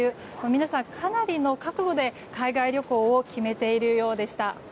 皆さん、かなりの覚悟で海外旅行を決めているようでした。